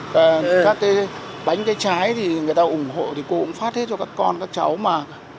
và các cái bánh cái trái thì người ta ủng hộ thì cô cũng phát hết cho các con các cháu mà